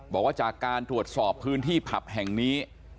บอกว่าจากการตรวจสอบพื้นที่ผับแห่งนี้